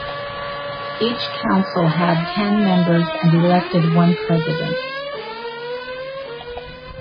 Each council had ten members and elected one president.